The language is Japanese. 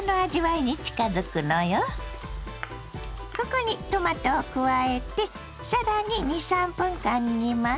ここにトマトを加えて更に２３分間煮ます。